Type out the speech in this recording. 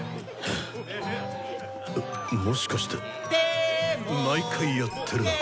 あもしかして毎回やってるのか？